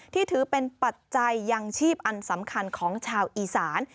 ที่ถือเป็นปัจจัยยังชีพอันสำคัญของชาวอีสาน